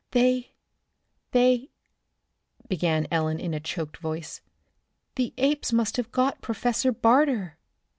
"They they " began Ellen in a choked voice. "The apes must have got Professor Barter!"